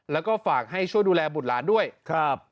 แล้วก็ฝากให้ช่วยดูแลบุตรหลานด้วยครับ